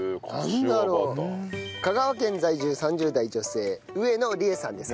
香川県在住３０代女性上野理恵さんです。